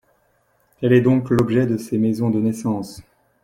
Tel est donc l’objet de ces maisons de naissance.